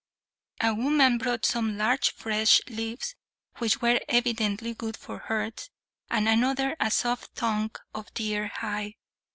A woman brought some large fresh leaves, which were evidently good for hurts; and another a soft thong of deer hide.